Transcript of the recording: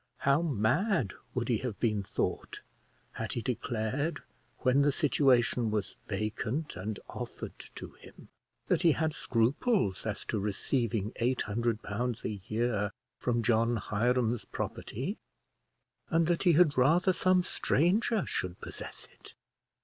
How mad would he have been thought had he declared, when the situation was vacant and offered to him, that he had scruples as to receiving £800 a year from John Hiram's property, and that he had rather some stranger should possess it!